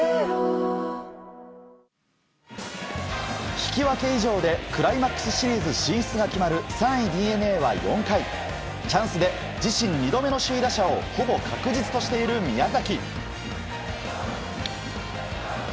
引き分け以上でクライマックスシリーズ進出が決まる３位ＤｅＮＡは４回チャンスで自身２度目の首位打者をほぼ確実としている宮崎。